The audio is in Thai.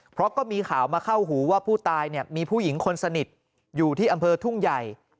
เพราะก็มีข่าวมาเข้าหูว่าผู้ตายเนี่ยมีผู้หญิงคนสนิทอยู่ที่อำเภอทุ่งใหญ่